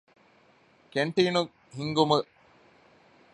ކެންޓީނު ހިންގުމަށް